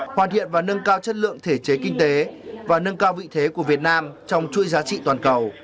hoàn thiện và nâng cao chất lượng thể chế kinh tế và nâng cao vị thế của việt nam trong chuỗi giá trị toàn cầu